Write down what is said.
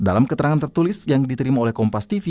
dalam keterangan tertulis yang diterima oleh kompas tv